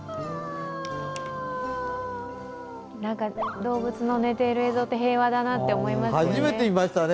動物の寝ている映像って、平和だなって思いますね。